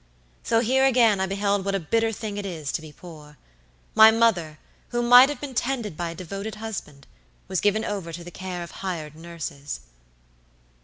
So here again I beheld what a bitter thing it is to be poor. My mother, who might have been tended by a devoted husband, was given over to the care of hired nurses.